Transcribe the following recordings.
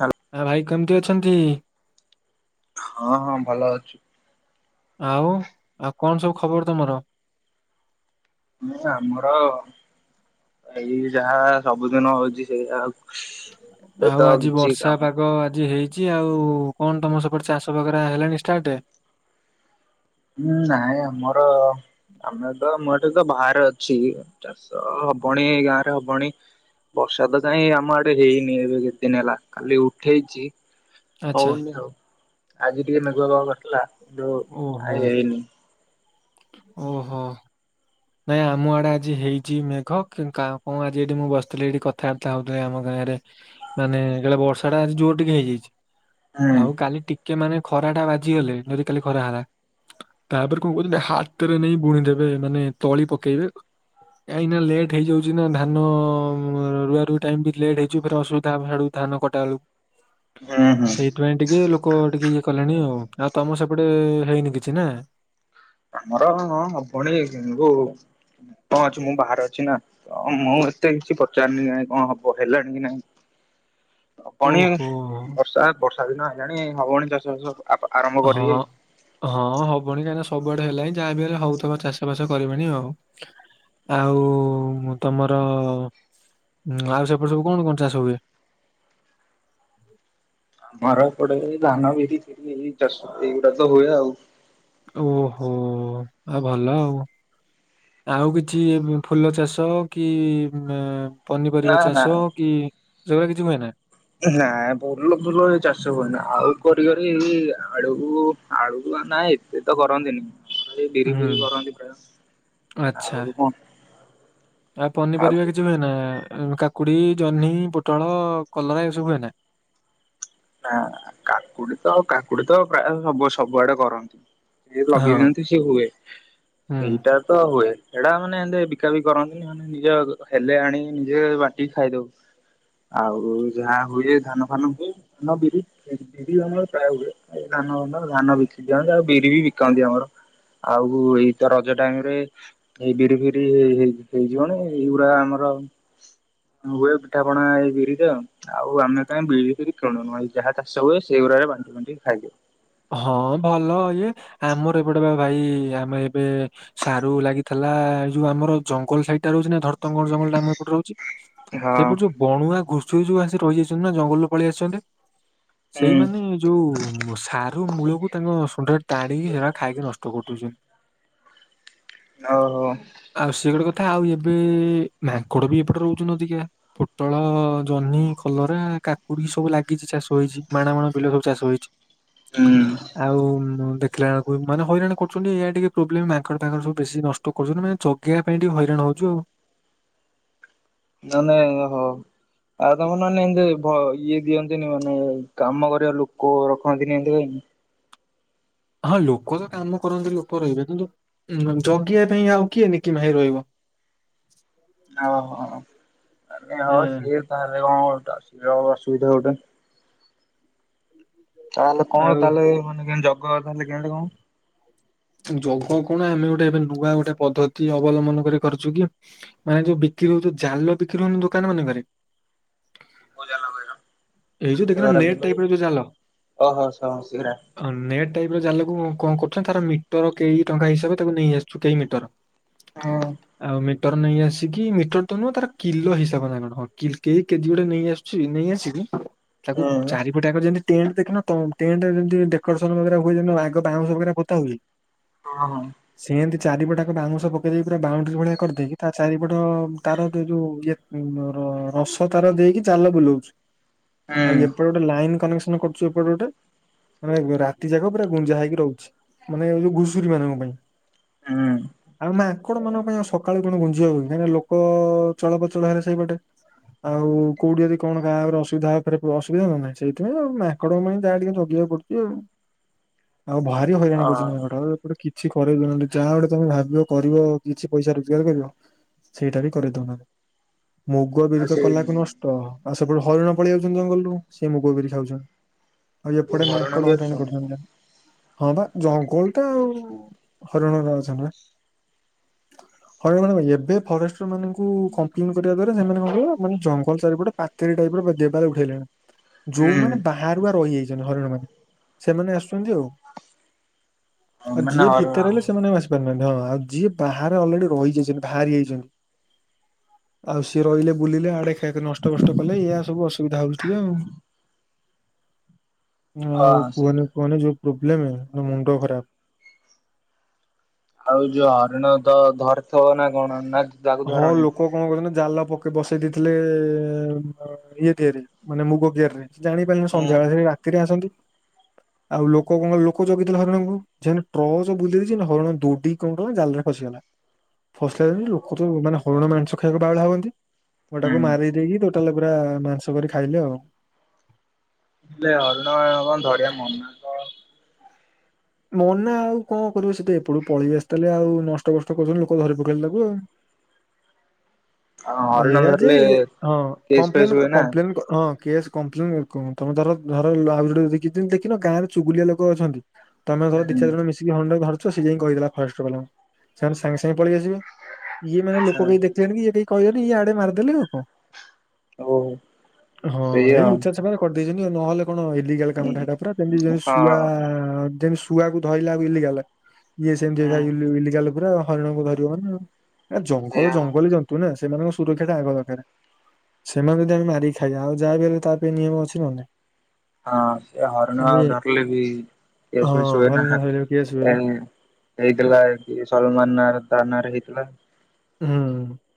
ଛାଡ଼। ଆ ଭାଇ କେମିତି ଅଛନ୍ତି? ହଁ ହଁ ଭଲ ଅଛି। ଆଉ ଆଉ କଣ ସବୁ ଖବର ତମର। ହଁ ଆମର ଏଇ ଯାହା ସବୁଦିନ ହଉଛି ସେୟା ଆଉ। ଏବେ ତ ଆଉ ଆଜି କିଛି ବର୍ଷା କାମ ପାଗ ଆଜି ହେଇ ହେଇଛି ଆଉ କଣ ତମ ସେପଟେ ଚାଷ ବଗେରା ହେଲାଣି ଷ୍ଟାର୍ଟ। ହୁଁ ନାଇଁ ଆମର ଆମେ ତ ମୁଁ ଏଠି ତ ବାହାରେ ଅଛି। ଚାଷ ହବଣି ଗାଁ ରେ ହବଣି। ବର୍ଷା ତ କାଇଁ ଆମ ଆଡେ ହେଇନି ଏବେ କେତେଦିନ ହେଲା ଖାଲି ଉଠେଇଛି। ଆଚ୍ଛା ହଉନି ଆଉ ଆଜି ଟିକେ ମେଘୁଆ ପାଗ କରିଥିଲା କିନ୍ତୁ ଓହୋ କାଇଁ ହେଇନି। ଓହୋ। ନାଇଁ ଆମ ଆଡେ ଆଜି ହେଇଛି ମେଘ କଣ ଆଜି ଏଠି ମୁଁ ବସିଥିଲି ଏଠି କଥାବାର୍ତ୍ତା ହଉଥିଲି ଆମ ଗାଁ ରେ। ମାନେ କାଳେ ବର୍ଷା ଟା ଆଜି ଜୋର ଟିକେ ହେଇଯାଇଛି ହୁଁ ଆଉ କାଲି ଟିକେ ଟିକେ ମାନେ ଖରା ଟା ବାଜିଗଲେ ଯଦି କାଲି ଖରା ହେଲା। ତାପରେ କଣ କହୁଛନ୍ତି ହାତରେ ନେଇ ବୁଣିଦେବେ ମାନେ ତଳି ପକେଇବେ। କାଇଁ ନାଁ ଲେଟ୍ ହେଇଯାଉଛି ନା ଧାନ ରୁଆ ରୁଇ ଟାଇମ୍ ବି ଲେଟ୍ ହେଇଯିବଫେରେ ଅସୁବିଧା ହବ ହେଆଡୁ। ଧାନ କଟା ବେଳକୁ। ହୁଁ ହୁଁ। ସେଥିପାଇଁ ଟିକେ ଲୋକ ଟିକେ ଇଏ କଲେଣି ଆଉ। ଆଉ ତମ ସେପଟେ ହେଇନି କିଛି ନାଁ? ଆମର ହଁ ହବଣୀ, [unintelligible] କଣ ଅଛି ମୁଁ ବାହାରେ ଅଛି ନାଁ। ହଁ ମୁଁ ଏତେ କିଛି ପଚାରୁନି ଆଉ, ନାଇଁ କଣ ହବ ହେଲାଣି କି ନାଇଁ। [inaudible] ହବଣି, ଓହୋ ବର୍ଷା, ବର୍ଷା ଦିନ ଆଇଲାଣି ହବଣି ଚାଷ ବାଷ। ହଁ। ହଁ ହବଣି କାହିଁକିନା ସବୁଆଡେ ହେଲାଣିି, ଯାହାବି ହେଲେ ହଉଥିବ, ଚାଷ ବାସ କରିବେଣି ଆଉ। ଆଉ ତମର, ଆଉ ସେପଟେ ସବୁ କଣ କଣ ଚାଷ ହୁଏ? ଆମର ଏପଟେ, ଧାନ, ବିରି, ଏଇ ଚାଷ ଏଇଗୁଡା ତ ହୁଏ ଆଉ। ଓ ହୋ ଆ ଭଲ ଆଉ। ଆଉ କିଛି ଫୁଲ ଚାଷ କି ନା ପନିପରିବା ନା ଚାଷ କି ସେଗୁଡାକ କିଛି ହୁଏ ନାଁ? ନାଇଁ ଭୁଲ ଫୁଲ ଚାଷ ହୁଏନା, ଆଉ କରି କରି ଏଇ ଆଳୁ, ଆଳୁ ନାଇଁ ସେଏ ତ କରନ୍ତିନି, ଏ ବିରି ହୁଁ ଫିରି କରନ୍ତି ପ୍ରାୟ, ଆଚ୍ଛା। ଆଉ କଣ। ଆଉ ପନିପରିବା କିଛି ହୁଏ ନାଁ?, କାକ କାକୁଡି, ଜହ୍ନି, ପୋଟଳ, କଲରା ଏସବୁ ହୁଏନା? ନାଁ ନାଁ କାକୁଡି ତ କାକୁଡି ତ ପ୍ରାୟ ସବୁ ସବୁଆଡେ କରନ୍ତି। ସେ ହଁ ଲଗେଇଦିଅନ୍ତି, ସେ ହୁଏ ହୁଁ ସେଇଟା ତ ହୁଏ, ସେଇଟା ମାନେ ଏ ବିକା ବିିକି କରନ୍ତିନି। ମାନେ ନିଜ ହେଲେ ଆଣି ନିଜେ ବାଣ୍ଟିକି ଖାଇଦଉ। ଆଉ ଯାହା ହୁଏ ଧାନ ଫାନ ହୁଏ। ଧାନ, ବିରି ବିରି, ଧାନ ପ୍ରାୟ ହୁଏ, ଧାନ ଫାନ ବିକି ଦିଅନ୍ତି, ଆଉ ବିରି ବି ବିକନ୍ତି ଆମର। ଆଉ ଏଇ ତ ରଜ ଟାଇମ ରେ ଏଇ ବିରି ଫିରିଇ ହେଇ ହେଇଯିବଣି, ଏଇଗୁଡା ଆମର ହ ହୁଏ ପିଠାପଣା ଏଇ ବିରି ଟା, ଆଉ ଆମେ କାଇଁ ବିରି ଫିରି କିଣୁନୁ ଯାହା ଚାଷ ହୁଏ, ସେଗୁଡା ବାଣ୍ଟି ଫାଣ୍ଟିକି ଖାଇଦେଉ। ହଁ ଭଲ ଇଏ, ଆମର ଏପଟେ ବା ଭାଇ ଆମେ ଏବେ ସାରୁ ଲାଗିଥିଲା, ଏ ଯୋଉ ଆମର ଜଙ୍ଗଲ ସାଇଡ ଟା ରହୁଛି ନା, ଧରତଙ୍ଗର ଜଙ୍ଗଲ ଟା ଆମର ଏପଟେ ରହୁଛି। ହଁ ସେଇପଟ ଯୋଉ, ବଣୁଆ ଘୁଷୁରି ଯୋଉ ଆସି ରହିଯାଇଛନ୍ତି ନା, ଜଙ୍ଗଲରୁ ପଳେଇ ଆସିଛନ୍ତି। ହୁଁ ସେଇମାନୋନେ ଯୋଉ ସ ଯୋଉ ମୂଳକୁ ତାଙ୍କ ସୁଣ୍ଡରେ ଟାଣିକି, ସେଟା ଖାଇକି ନଷ୍ଟ କରିଦଉଛନ୍ତି। ଓଉହୋ ଆଉ ସେ ଗଟେ କଥା ଆଉ ଏବେ ମାଙ୍କଡ ବି ଏପଟେ ରହୁଚ ଅଧିକା। ପୋଟଳ, ଜହ୍ନି, କଲରା, କାକୁଡି ସବୁ ଲାଗିଛି ଚାଷ ହେଇଛି। ମାଣ ମାଣ ବିଲ ସବୁ ଚାଷ ହେଇଛି। ହଁ। ଆଉ ଦେଖିଲାେଳକୁ ମାନେ ହଇରାଣ କରୁଛନ୍ତି ଏଇଟା ଟିକେ ପ୍ରୋବ୍ଲେମ, ମାଙ୍କଡ ଫାଙ୍କଡ଼ ସବୁ ବେଶୀ ନଷ୍ଟ ଟ କରୁଛନ୍ତି, ନା ମାନେ ଜଗିବା ପାଇଁ ଟିକେ ହଇରାଣ ହଉଛି ଆଉ। ମାନେ ଓହୋ ଆଉ ତମର ମାନେ, ଏମିତି ଇଏ ଦିଅନ୍ତିନି, ମାନେ କାମ କରିବା ଲୋକ ରଖନ୍ତିନି, ଏମିତି ନାଇକି? ହଁ ଲୋକ ତ କାମ କରନ୍ତି ଲୋକ ରହିବେ, କିନ୍ତୁ ଜଗିବା ପାଇଁ ଆଉ କିଏ ନ କି ଭାଇ ରହିବ? ଓହୋ ଆ ହଉ ହଁ ସିଏ ତାହେଲେ କଣ କରଛ ସିଏ ଅସୁବିଧା ଗଟେ ତାହେଲେ କଣ ଆଉ ତାହେଲେ ମାନେ କେ ଜଗ ତାହେଲେ କେମିତି କଣ? ଯଗ କଣ, ଆମେ ଗୋଟେ ଏବେ ନୂଆ ଗୋଟେ ପଦ୍ଧତି ଅବଲମ୍ବନ କରି କରିୁଛୁ କି ମାନେ ଯୋଉ ବିକ୍ରି ହଉଛି, ଜାଲ ବିକ୍ରି ହଉନି ଦୋକାନ ମାନେଙ୍କରେ? ଏଇ ଯୋଉ ଦେଖିନ ନେଟ ଟାଇପରେ ଯୋଉ ଜାଲ? ଓହୋ ସ ସେରା ନେଟ ଟାଇ ରେ ଯାହା ଲୋକ କଣ କରୁଛନ୍ତି ତାର ମି ମିଟର କେଇ ଟଙ୍କା ହିସାବରେ ତାକୁ ନେଇ ଆସୁଛୁ କେଇ ମିଟର ହଁ ଆଉ ମିଟର ନେଇ ଆସିକି ମିଟର ତ ନୁହଁ ତାର କିଲୋ ହିସାବ ନା କଣ ହ କେଜି ଗୋଟେ ନେଇ ଆସ। ନେଇ ଆସିବି ତାକୁ ହୁଁ। ଚାରି ଗୋଟେ ଆଗ ଜେନ୍ତି ଟେଣ୍ଟ ଦେଖିନ ଟେଣ୍ଟ ରେ ଯେମତି ଡେକୋରେଶନ ହୁଏ ଆଗ ବାଉଁଶ ପୋତା ହୁଏ। ହଁ ହଁ ସିଏ ଏମିତି ଚାରିପଟାକ ବାଉଁଶ ପକେଇ ଦେଇକି ପୁରା ବାଉଣ୍ଡରି ଭଳିଆ କରିଦେଇକି ତା ଚାରିପଟ ତାର ଯୋଉ ଯୋଉ ଇ ମୋର ରସ ତାର ଦେଇକି ଜାଲ ବୁଲଉଛି ହୁଁ ଆଉ ଏପଟ ଗୋଟେ ଲାଇନ କନେକ୍ସନ କରୁଛୁ ଏପଟେ ଗୋଟେ ମାନେ ରାତି ଯାକ ପୁରା ଗୁଞ୍ଜା ହେଇକି ରହୁଛି। ମାନେ ଯଉ ଘୁଷୁରୀ ମାନଙ୍କ ପାଇଁ ହୁଁ ଆଉ ମାଙ୍କଡ ଅ ମାନଙ୍କ ପାଇଁ ସକା ଳୁ କଣ ଗୁଞ୍ଜି ହୁନ କାଁ ଲୋକ ଚଳପଚଳ ହେଲେ ସେଇପଟେ ଆଉ କୋଉଠି ଯଦି କଣ ବାରେ ଅଶୁବିଧାରେ ଅଶୁବିଧା ହ ନ ନାହିଁ ସେଇଥିପାଇ ଆଉ ମାଙ୍କଡଙ୍କ ପାଇଁ ଯାହା ଟିକେ ଜଗିବାକୁ ପଡଛି ଆଉ ଆଉ ଭାରି ହଇରାଣ ଗୋ ଆଉ ଏପଟେ କିଛି କରରେଇଦଉନାହାନ୍ତି ଯାହା ଗୋଟେ ତମେ ଭାବିବ କରିବ କିଛି ପଇସା ରୋଜଗାର କରିବ। ସେଇଟା ବି କରିଦଉନାହାନ୍ତି ମୁଗ ବିଦିତ ସେ କଲାକୁ ନଷ୍ଟ ତ ଆଉ ସେପଟୁ ହରିଣ ପଳେଇ ଯାଉଛନ୍ତି ଜଙ୍ଗଲରୁ ସିଏ ମୁଗ ବିରି ଖାଉଛନ୍ତି। ଆଉ ଏପଟେ ହରିଣ ବି ମାଙ୍କଡ ହଇରାଣ ଆସୁଛନ୍ତି କରଛନ୍ତି ହଁ ବା ଜଙ୍ଗଲ ଟା ଆଉ ହରିଣ ଅଛ ହରିଣଣ ଭାଇ ଏବେ ଫରେଷ୍ଟ ମାନଙ୍କୁ କମ୍ପ୍ଲେନ୍ଟ କରିବା ଦ୍ୱାରା ସେମାନେ କଣହିବ ମାନେ ଜଙ୍ଗଲ ଚାରିପଟେ ପାଚେରି ଟାଇପ ର ଦେବାଲ ଉଠାଇଲେଣି। ହୁଁ ଯୋଉମାନେ ବାହାରୁ ବା ରହିଯାଇଛନ୍ତି ହରିଣ ମାନେ ସେମାନେ ଆସୁଛନ୍ତି ଆଉ। ଆଉ ମାନେ ଯିଏ ହରିଣ ଭିତରେ ହେଲେ ସେମାନେ ବି ଆସି ପାରୁନାହାନ୍ତି ହଁ ଆଉ ଯିଏ ବାହାରେ ଅଲରେଡି ରହିଯାଇଛନ୍ତି ବାହାରି ଯାଇଛନ୍ତି। ଆଉ ସିଏ ରହିଲେ ବୁଲିଲେ ଆଡେ ଖାଇଆ ନଷ୍ଟ କଷ୍ଟ କଲେ ଏୟଆ ସବୁ ଅସୁବିଧା ହଉଛି ଟିକେ ଆଉ ଅ ଆଉ କୁହନି କୁହନି ଯୋଉ ପ୍ରୋବ୍ଲେମ ମୁଣ୍ଡ ଖରାପ ଆଉ ଯୋଉ ହରିଣ ତ ଧରିଥିବ ନା କଣ ନା। ତାକୁ ହଁ ଧରନି? ଲୋକ କଣ କରୁଥିଲେ ଜାଲ ପକେଇ ବସେଇ ଦେଇଥିଲେ ଇଏ ଦିଆରେ ମାନେ ମୁଗ କିିଆରରେ। ଜାଣିପାରିଲିନି ହୁଁ ସନ୍ଧ୍ୟାବେଳେ ସେ ରାତିରେ ଆସନ୍ତି ଆଉ ଲୋକ କଣ ଲୋକ ଜଗିଥିଲେ ହରିଣଙ୍କୁ ସେ ଟର୍ଚ୍ଚ ବୁଲେଇ ଦେଇଛନ୍ତି ହରିଣ ଦୌଡି କଣ କଲା ନା ଜାଲ ରେ ଫସିଗଲା। ଫସିଲ ଲୋକ ତ ମାନେ ହରିଣ ମାଂସ ଖାଇବାକୁ ବାଉଳା ହୁଅନ୍ତି ଗଟାକୁ ହୁଁ ମାରି ଦେଇକି ତାହଲେ ପୁରା ମାଂସ କରି ଖାଇଲେ ଆଉ ହରିଣ ଧରିଆ ମ ମନା ଆଉ କଣ କରିବ ସେଠି ଏପଟୁ ପଳେଇ ଆସିଲେ ଆଉ ନଷ୍ଟ ଭଷ୍ଟ କରୁଛନ୍ତି ଲୋକ ଧରି ପକେଇ ତାକୁ ଆଉ ଆଉ ହରିଣ ଏଇଆା ଯେ ଧରିଲେ ହଁ କେସ୍ ଫେସ୍ କପ୍ଲେନ ହୁଏ ନା। କପ୍ଲେନ ହଁ କପ ତମେ ଧର ଧର ଆ ଦେଖି ଦେଖିନ ଗାଁରେ ଚୁଗୁଲିଆ ଲୋକ ଅଛନ୍ତି। ହୁଁ ତମେଧର ଦିଇ ଚାରି ଜଣ ଆଚ୍ଛା ମିଶିକି ହରିଣ ଟା ଧରୁଛ ସେ ଯାଇ କହିଲା ଫରେଷ୍ଟ ବା ସେମାନେ ସାଙ୍ଗେ ସାଙ୍ଗେ ପଳେଇଆସିବେ। ଇଏ ମାନେ ଲୋକ କେହି ଦେଖିଲେଣି କି ଇଏ କେହି କହିଲେନି ଇଏ ଆଡେ ମାରିଦେଲି ଆଉ କଣ? ହଉ ହଁ ସେଇ ଏଇ ଆଉ। ଲୁଚାଛପାରେ କରିଦେଇଛନ୍ତି ନହେଲେ କଣ ଇଲିଗାଲ ହୁଁ କାମଟା ହେଲା ପୁରା ଯେମତି ଯେମିତି ହଁ ଶୁଆ ଯେମତି ଶୁଆକୁ ଧଇଲା ଆ ଇଲିଗାଲ। ଇଏ ସେମିତି ହୁଁ ଇଲିଗାଲ ପୁରା ହରିଣଙ୍କୁ ଧରିବ ମାନେ ଜଙ୍ଗଲ ସେଇଆ। ଜଙ୍ଗଲ ତୁ ନା ସେମାନଙ୍କ ସୁରକ୍ଷା ଟା ଆଗ ଦରକାର। ସେମାନେ ଯଦ ଆମେ ମାରିକି ଖାଇବା ଆଉ ଯାହା ବି ହେଲେ ତା ପାଇଁ ନିୟମ ଅଛି ନା ଆଉ। ହଁ ସେ ହରିଣ ଆଉ ଇଏ ଡରିଲେ ବି କେସ ହଁ ଫେସ ହୁଏ ନା ହରିଣ ଧରିବାକୁ କିଏ ଆସିବ ଏ ବା ହେଇଥିଲା ଏ ସଲମାନ ନାଁ ରେ ତା ନାଁ ରେ ହେଇଥିଲା। ହଁ।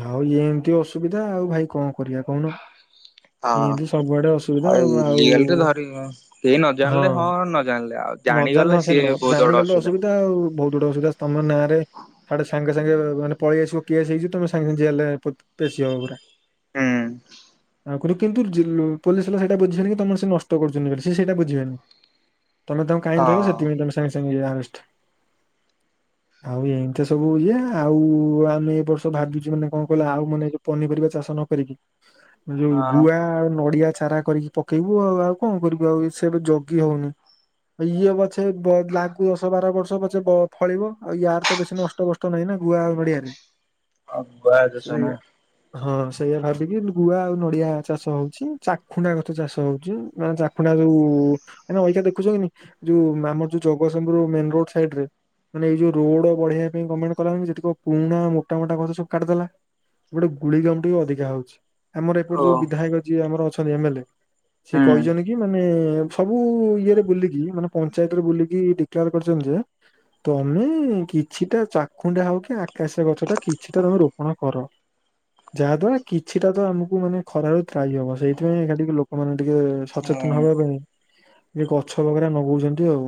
ଆଉ ଏମିତି ଅସୁବିଧା ଆଉ ଭାଇ କଣ କରିବା କହୁନ? ହଁ ଏମତି ସବୁଆଡେ ଅସୁବିଧା ଆଉ ଆଉ ଇଲିଗାଲ ରେ ଧରି କେହି ନ ହଁ। ଜାଣିଲେ ନ ଜାଣିଲେ ଆଉ ନଜାଣିଲେ ଜାଣିଗଲେ ହଁ ସେ ସିଏ ନୁହଁ ବହୁତ ବଡ ଜାଣିଗଲେ ଅସୁବିଧା ଆଉ ବହୁତ ଗୁଡେ ଅସୁବିଧା ତମ ନାଁରେ ସାଡେ ସାଙ୍ଗେ ସାଙ୍ଗେ ମାନେ ପଳେଇଆସିବ କିଏ ଆସି ହେଇଯିବ ତମେ ସାଙ୍ଗେ ସାଙ୍ଗେ ଜେଲରେ ପେଶୀ ହବ ପୁରା। ହୁଁ। ଆଗରୁ କିନ୍ତୁ ପୋଲିସ ହେଲା ସେଇଟା ବୁଝିବେନ କି ତମର ସେ ନଷ୍ଟ କରୁଛନ୍ତି ବୋଲି ସିଏ ସେଇଟା ବୁଝିବେନି। ତମେ ତାଙ୍କୁ କାଇଁ ହଁ ଧଇଲ ସେଥିପାଇଁ ତମେ ସାଙ୍ଗେ ସାଙ୍ଗେ ଯା ଆରେଷ୍ଟ। ଆଉ ଏମିତି ସବୁ ଇଏ ଆଉ ଆମେ ଏ ବର୍ଷ ଭାବିଛୁ ମାନେ କଣ କହିଲ ଆଉ ମାନେ ପନିପରିବା ଚାଷ ନ କରିକି ଯୋଉ ହଁ ଗୁଆ ଆଉ ନଡିଆ ଚାରା କରିକି ପକେଇବୁ ଆଉ ଆଉ କଣ କରିବୁ ଆଉ ସେ ଏବେ ଜଗି ହଉନି। ଇଏ ପଛେ ଲାଗୁ ଦଶ ବାର ବର୍ଷ ପଛେ ଫଳିବ ଆଉ ୟାର ତ ବେଶୀ ନଷ୍ଟ ଟ ବଷ୍ଟ ନାହିଁ ନା ଗୁଆ ଆଉ ନଡିଆରେ। ଅବା ଯୋଜନା ସେଇଆ। ହଁ ସେଇଆ ଭାବିକି ଗୁଆ ଆଉ ନଡିଆ ଚାଷ ହଉଛି, ଚାଖୁଣ୍ଡା ଗଛ ଚାଷ ହଉଛି, ମାନେ ଖୁଣ୍ଡା ଯୋଉ ମାନେ ଅଇଁଛା ଦେଖୁଛ କି ନାଇଁ ଯୋଉ ଆମର ଯୋଉ ଜଗତସିଂହପୁର ମେନ ରୋଡ ସାଇଡ ରେ ମାନେ ଏଇ ଯୋଉ ରୋଡ ବଢେଇିବା ପାଇଁ ଗମେଣ୍ଟ କଲା ଯେତିକ ପୁରୁଣା ମୋଟା ମୋଟା ଗଛ ସବୁ କାଟିଦେଲା। ଗୋଟେ ଗୁଳି କାମ ଟିକେ ଅଧିକା ହଉଛି। ଆମର ଓ ଏପଟେ ଯୋଉ ବିଧାୟକ ଯିଏ ଆମର ଅଛନ୍ତି ଏମେଏଲ ସିଏ ହୁଁ କହିଛନ୍ତି କି ମାନେ ସବୁ ଇଏରେ ବୁଲିକି ମାନେ ପଞ୍ଚାୟତ ରେ ବୁଲିକି ଡିକ୍ଲୋର କରିଛନ୍ତି ଯେ ତମେ କିଛିଟା ଚାକୁଣ୍ଡା ହଉ କି ଆକାସିଆ ଗଛ ଟା କିଛିଟା ତମେ ରୋପଣ କର। ଯାହା ଦ୍ଵାରା କିଛିଟା ତ ଆମକୁ ମାନେ ଖରାରୁ ତ୍ରାଇ ହବ ସେଇଥିପାଇଁ ଏଇଟା ଟିକେ ଲୋକ ଆପଣ ମାନେ ଟିକେ ହୁଁ। ସଚେତନ ହବା ପାଇଁ ଟିକେ ଗଛ ବଗରା ଲଗଉଛନ୍ତି ଆଉ।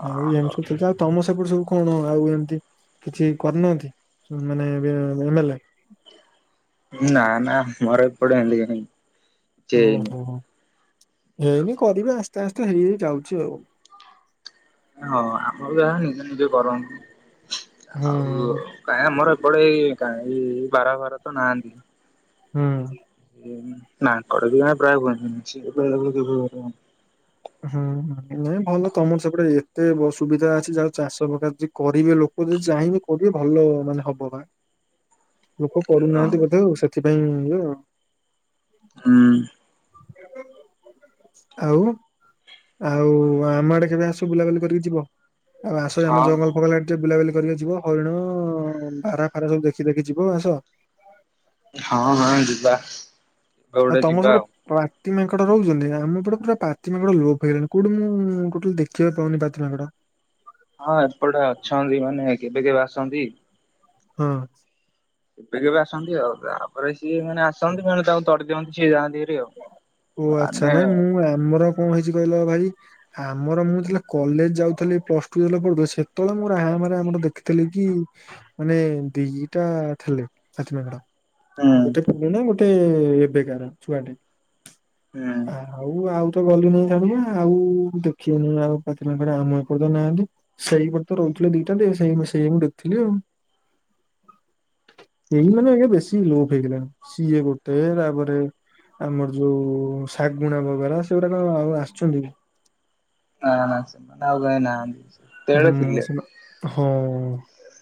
ଓ ଆଉ ହୋ ଏମିସବୁ ଚାଚା ଆଉ ତମ ସେପଟ ସବୁ କଣ ଆଉ ଏମିତି କିଛି କରିନାହାନ୍ତି ମାନେ ଏ ଏ ମେଲ? ନା ନା ଘରେ ପୁଡା ଏମତି କେ ନାଇଁ ଓହୋ, ଏନି କରିବେ ଆସ୍ତେ ଆସ୍ତେ ହେଇ ହେଇ ଯାଉଛି ଆଉ। ହଁ ଆମର ଯାହା ନିଜେ ନିଜେ କରନ୍ତି ହୁଁ ଆଉ କାଇଁ ଆମର ଏପଟେ ଏଇ କାଇଁ ବାରଘର ତ ନାହାନ୍ତି? ହୁଁ। [unintelligible] ହୁଁ ହୁଁ ନାଇଁ ଭଲ ତମର ସେପଟେ ଏତେ ସୁବିଧା ଅଛି ଯାହା ଚାଷ ପକାଚି କରିବେ ଲୋକ ଯଦି ଚାହିଁବେ କରିବେ ଭଲ ମାନେ ହବ ବା। ଲୋକ ହଁ କରୁନାହାନ୍ତି ବୋଧେ ଆଉ ସେଥିପାଇଁ ଇଏଆଉ। ହୁଁ। ଆଉ ଆଉ ଆମ ଆଡେ କେବେ ଆସ ବୁଲାବୁଲି କରିକି ଯିବ, ଆଉ ଆସ ଆମ ହଁ ଜଙ୍ଗଲ ଫଗଲ ଆଡେ ଟେ ବୁଲା ବୁଲି କରିକ ଯିବ ହରିଣ ବାରହା ଫାରା ସବୁ ଦେଖି ଦେଖି ଯିବ ଆସ। ହଁ ହଁ ଯିବା। କେବେ ଆଉ ଗୋଟେ ତମ ଯିବା ସାଡେ? ପାତି ମାଙ୍କଡ ରହୁଛନ୍ତି ଆମ ପଟେ ପୁରା ପାତି ମାଙ୍କଡ ଲୋପ ହେଇଗଲାଣି କୋଉଠି ମୁଁ ଟୋଟାଲ ଦେଖିବାକୁ ପାଉନି ପାତି ମାଙ୍କଡ? ହଁ ଏପଟେ ଅଛନ୍ତି ମାନେ କେବେ କେବେ ଆସନ୍ତି। ହଁ। କେବେ କେବେ ଆସନ୍ତି ଆଉ ତାପରେ ସିଏ ମାନେ ଆସନ୍ତି ଏମାନେ ତାକୁ ତଡ଼ି ଦିଅନ୍ତି ସିଏ ଯାଆନ୍ତି। ହେରି ଆଉ। ଓ ଆଚ୍ଛା ମାନେ ନାଇଁ ମୁଁ ଆମର କଣ ହେଇଛି କହିଲ ଭାଇ ଆମର ମୁଁ ଯେତେଲେ କଲେଜ ଯାଉଥିଲି, ପ୍ଲସ ଟୁ ଯେତେଲେ ପଢୁଥିଲି, ସେତେବେଳେ ମୁଁ ରାହାମାରେ ଆମର ଦେଖିଥିଲି କି ମାନେ ଦି ଦିଟା ଥିଲେ, ପାତି ମାଙ୍କଡ। ହୁଁ ଗୋଟେ [unintelligible] ଗୋଟେ ଏବେକାର ଛୁଆ ଟେ। ହୁଁ। ଆଉ, ଆଉ ତ ଗଲି ନାହିଁ ଛାନିଆ, ଆଉ ଦେଖି ହଉନି ଆଉ ପାତି ମାଙ୍କଡ ଆମ ଏପଟେ ତ ନାହାନ୍ତି। ସେଇ ପଟେ ତ ରହୁଥିଲେ ଦିଟା, ଯେ ସେଇ ସେଇ ମୁଁ ଦେଖଥିଲି ଆଉ। ଏଇମାନେ ଆଜ୍ଞା ବେଶୀ ଲୋପ ହେଇଗଲାଣି, ସିଏ ଗୋଟେ, ତାପରେ ଆମର ଯୋଉ ଶାଗୁଣା ବଗେରା, ସେଗୁଡା କଣ ଆଉ ଆସୁଚନ୍ତି କି? [unintelligible] ଆଉ କେହି ନାହାନ୍ତି। ସେତେବେଳେ ହୁଁ, [unintelligible] ହଁ।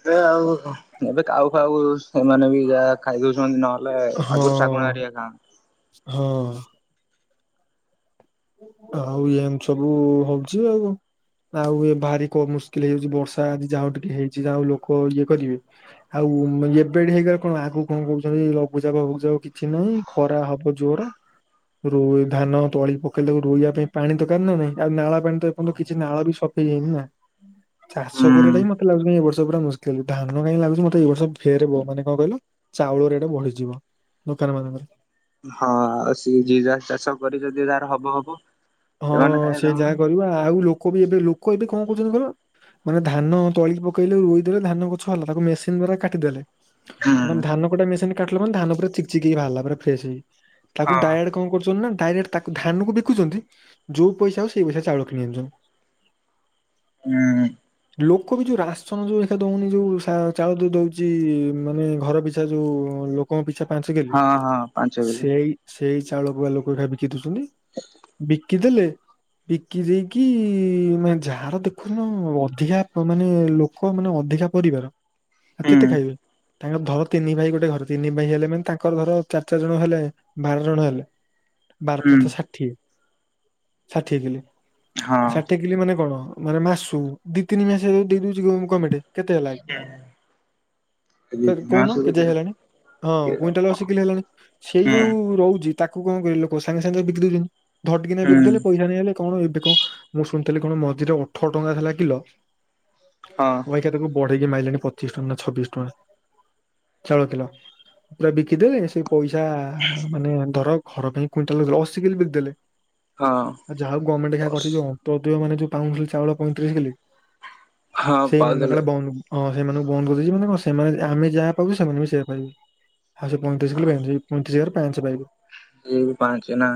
ହେ ଆଉ, ଏବେ କାଉ ଫାଉ ସେମାନେ ବି ଯାହା ଖାଇଦଉଚନ୍ତି, ନହଲେ ହଁ ହଁ। ଆଉ, ଏମତି ସବୁ ହଉଚି ଆଉ। ଆଉ ଏ ଭାରି କ ମୁସ୍କିଲ ହେଇଯାଉଚି, ବର୍ଷା ଆଜି ଯାହାଉ ଟିକେ ହେଇଚି, ଯାହାଉ ଲୋକ ଇଏ କରିବେ। ଆଉ ଏପେଡେ ହେଇଗଲେ କଣ, ଆଗକୁ କଣ କହୁଚନ୍ତି, ଲଘୁଚାପ ଫଘୁଚାପ କିଛି ନାହିଁ। ଖରା ହବ ଜୋର, ରୋ ଧାନ ତଳି ପ କହିଲି ତାକୁ ରୋଇବା ପାଇଁ ପାଣି ଦରକାର ନା ନାଇ, ଆଉ ନାଳ ପାଣି ତ, ଏପଯ୍ୟନ୍ତ କିଛି ନାଳ ବି ସଫେଇ ହେଇନି ନା। ହୁଁ ଚାଷ କରିବାଟ ହି ମତେ ଲାଗୁଛି ଏ ବର୍ଷ ପୁରା ମୁସ୍କିଲ, ଧାନ କାହିଁ ଲାଗୁ ମତେ ଏଇ ବର୍ଷ ଫେରେ ବ ମାନେ କଣ କହିଲ ଚାଉଳ ରେଟ ବଢିଯିବ, ଦୋକାନ ମାନଙ୍କରେ। ହଁ, ଆଉ ସେ ଯେ ଯାହା ଚାଷ କରି ଯଦି ତାର ହବ ହବ। ହଁ, ସେମାନେ ଖାଇବେ ସେ ତାଙ୍କର ଯାହା କରିବ, ଆଉ ଲୋକ ବି ଏବେ, ଲୋକ ଏବେ କଣ କରୁଚନ୍ତି କହିଲ? ମାନେ ଧାନ ତଳି ପକେଇଲୁ, ରୋଇଦେଲେ, ଧାନ ଗଛ ହେଲା, ତାକୁ ମେସିନ ଦ୍ଵାରା କାଟିଦେଲେ। ହୁଁ। ତମେ ଧାନ କଟା ମେସିନ କାଟିଲ ମାନେ, ଧାନ ପୁରା ଚିକ ଚିକ ହେଇ ବାହାରିଲା ପୁରା ଫ୍ରେସ୍‌ ହେଇ, ତାକୁ ହଁ। ଡାୟଡେ କଣ କରୁଚନ୍ତି ନା, ଡାଇରେକ୍ଟ ତାକୁ ଧାନକୁ ବିକୁୁଚନ୍ତି ଯୋଉ ପଇସା ହଉ, ସେଇ ପଇସାରେ ଚାଉଳ କିଣି ଆଣୁଚନ୍ତି। ହୁଁ। ଲୋକ ବି ଯୋଉ ରାସନ ଯୋଉ ଲେଖା ଦଉନି, ଯୋଉ ଚାଉଳ ଦଉ ଦଉଚି, ମାନେ ଘର ପି ଏ ଯୋଉ ଲୋକଙ୍କ ପିଛା ପାଞ୍ଚ କେଲି, ହଁ ହଁ ପାଞ୍ଚ କିଲୋ ସେଇ ସେଇ ଚାଉଳକୁ ବା ଲୋକ ରା ବିକି ଦଉଚନ୍ତି। ବିକିଦଲେ ବିକି ଦେଇକି ମାନେ, ଯାହାର ଦେଖୁନ ଅଧିକା ମାନେ ଲୋ କ ମାନେ ଅଧିକା ପରିବାର, ଆ ହୁଁ କେତେ ଖାଇବେ? ଙ୍କ ଧ ତିନି ଭାଇ ଗୋଟେ ଘର, ତିନି ଭାଇ ହେଲେ ମାନେ ତାଙ୍କର ଧର ଚାରି ଚାରି ଜଣ ହେଲେ ବାର ଜଣ ହେଲେ, ବାର ହୁଁ ପଞ୍ଚା ଷାଠିଏ। ଷାଠିଏ କିଲେ, ଷା ହଁ। ଷାଠିଏ କିଲି ମାନେ କଣ ମାନେ ମାସୁ, ଦିଇ ତିନି ମାସ ଦେଇ ଦଉଚି ଗମେଟେ କେତେ ହେଲା, ଦି ତିନି ମାସ କହୁନ, ହୁଁ କିଜେ ହୁଁ ହେଲାଣି? ହଁ, କୁଇଣ୍ଟାଲ ଅଶୀ କିଲ ହେଲାଣି, ସେଇ ହଁ। ଯୋଉ ରହୁଚି ତାକୁ କଣ କରିବେ ଲୋକ, ସାଙ୍ଗେ ସାଙ୍ଗେ ନେଇକି ବିକି ଦଉଚନ୍ତି, ଧଡିକିନା ବିକି ଦେଲେ, ପଇସା ନେଇ ଆଇଲେ କଣ ଏବେ କ, ମୁଁ ଶୁଣିଥିଲି କଣ ମଝିରେ ଅଠର ଟଙ୍କା ହେଲା କିଲ ସେକୁ ବଢେଇକି ମାଇଲଣି ପଚିଶ ଟଙ୍କା ନା, ଛବିଶି ଟଙ୍କା। ଚାଉଳ କିଲ, ପୁରା ବିକିଦେଲେ, ସେ ପଇସା ମାନେ ଧର, ଘର ପାଇଁ କୁଇଣ୍ଟାଲେ, ଅଶୀ କିଲ ବିକି ଦେଲେ। ଆ, ଯାହାଉ ଗମେର୍ଣ୍ଟ ଯାହା କରିଛି ଜ ତ ଅଧିକ ମାନେ ଯୋଉ ପାଉଥିଲେ ଚାଉଳ ପଇଁତିରିଶ କିଲି, ହଁ ସେଇମାନେଙ୍କ ପାଉଥିଲେ କାଳେ ବନ୍ଦ ହଁ ସେମାନଙ୍କୁ ବନ୍ଦ କରି ଦେଇିଛନ୍ତି ମାନେ କଁ ସେମାନେ ଆମେ ଯାହା ପାଇବୁ ସେମାନେ ବି ସେଇଆ ପାଇବେ। ହଁ ସେ ପଇତିରିଶି‌ କିଲି ପାଇବେ ପଇଁତିରିଶ ହଜାର ପାଞ୍ଚେ ପାଇବେ। ଏଇ ବି ପାଞ୍ଚେ ନା।